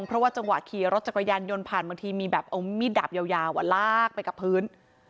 เพราะว่าจังหวะขี่รถจักรยานยนต์ผ่านบางทีมีแบบเอามีดดาบยาวลากไปกับพื้น